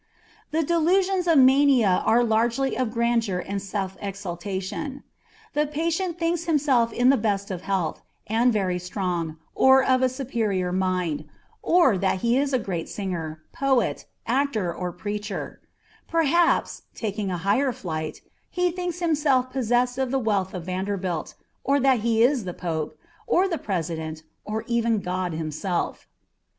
The delusions of mania are largely of grandeur and self exaltation; the patient thinks himself in the best of health, and very strong, or of a superior mind, or, that he is a great singer, poet, actor, or preacher; perhaps, taking a higher flight, he thinks himself possessed of the wealth of Vanderbilt, or that he is the Pope, or the President, or even God himself.